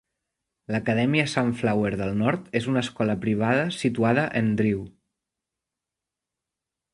L'Acadèmia Sunflower del nord és una escola privada situada en Drew.